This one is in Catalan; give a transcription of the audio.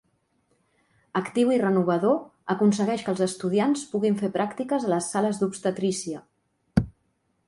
Actiu i renovador, aconsegueix que els estudiants puguin fer pràctiques a les sales d'Obstetrícia.